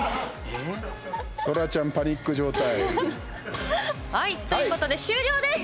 そらちゃん、パニック状態。ということで終了です！